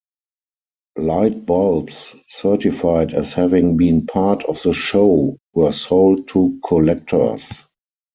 Light bulbs certified as having been part of the show were sold to collectors.